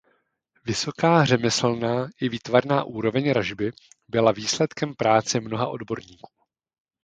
Vysoká řemeslná i výtvarná úroveň ražby byla výsledkem práce mnoha odborníků.